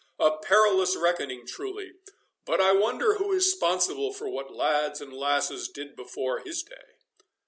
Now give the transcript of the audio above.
—a perilous reckoning truly—but I wonder who is sponsible for what lads and lasses did before his day?"